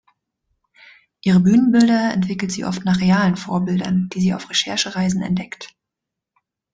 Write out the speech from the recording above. Ihre Bühnenbilder entwickelt sie oft nach realen Vorbildern, die sie auf Recherche-Reisen entdeckt.